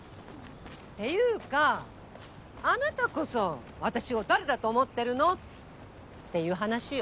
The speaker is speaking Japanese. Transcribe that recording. ていうかあなたこそ私を誰だと思ってるの？っていう話よ。